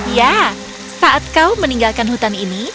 ya saat kau meninggalkan hutan ini